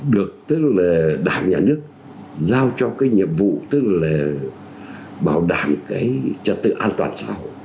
được tức là đảng nhà nước giao cho cái nhiệm vụ tức là bảo đảm cái trật tự an toàn xã hội